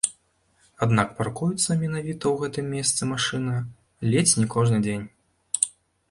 Аднак паркуецца менавіта ў гэтым месцы машына ледзь не кожны дзень.